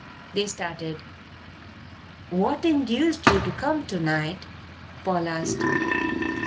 They started. "What induced you to come to night?" Paul asked.